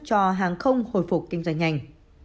cho hàng không hồi phục kinh doanh nhanh